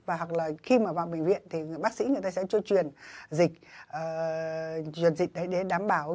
và hoặc là khi mà vào bệnh viện thì bác sĩ người ta sẽ truyền dịch để đảm bảo